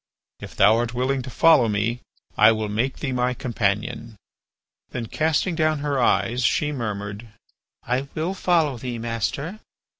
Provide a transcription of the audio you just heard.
If thou art willing to follow me, I will make thee my companion." Then casting down her eyes, she murmured: "I will follow thee, master."